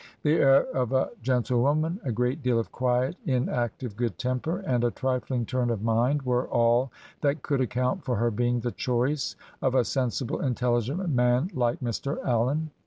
... The air of a gentle woman, a great deal of quiet, inactive good temper, and a trifling turn of mind were all that could account for her being the choice of a sensible, intelligent man like Mr. Allen.